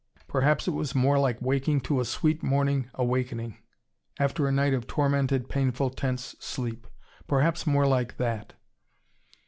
Perhaps it was more like waking to a sweet, morning awakening, after a night of tormented, painful tense sleep. Perhaps more like that.